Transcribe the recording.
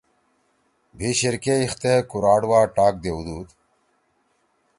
بھی شیر کے أیخ تے کوراٹ وا ٹاک دیؤدُود۔